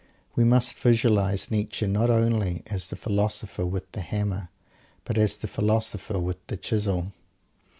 We must visualize Nietzsche not only as the Philosopher with the Hammer; but as the Philosopher with the Chisel.